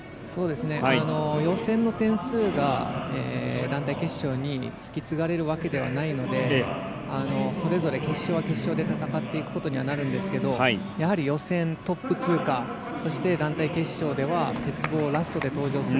予選の点数が団体決勝に引き継がれるわけではないのでそれぞれ決勝は決勝で戦っていくことになるんですけどやはり予選トップ通過団体決勝では鉄棒、ラストで登場する。